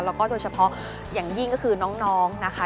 แล้วก็โดยเฉพาะอย่างยิ่งก็คือน้องนะคะ